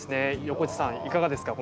横地さん、いかがですか？